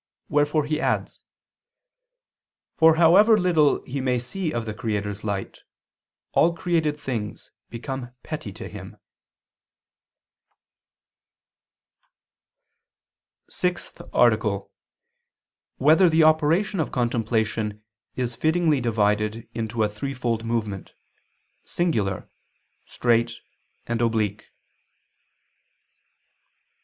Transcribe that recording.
Wherefore he adds: "For however little he may see of the Creator's light, all created things become petty to him." _______________________ SIXTH ARTICLE [II II, Q. 180, Art. 6] Whether the Operation of Contemplation Is Fittingly Divided into a Threefold Movement, Circular, Straight and Oblique?